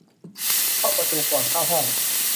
เคาะประตูก่อนเข้าห้อง